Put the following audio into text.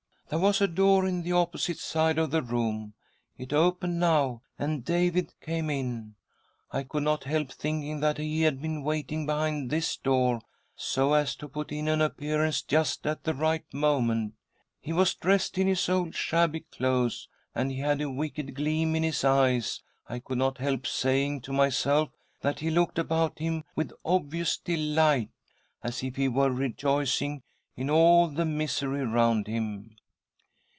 " There was a door in the opposite side of the room ; it opened now and David came in. I could not help thinking that he had been waiting behind this door, so as to put in an appearance just at the right moment. He was dressed in his old shabby clothes, and he had a wicked gleam in his eyes. I could not help saying to myself that he looked about him with obvious delight, as if he were rejoicing in all the misery round him.